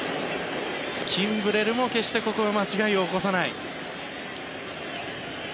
キンブレルも決してここは間違いを起こさない。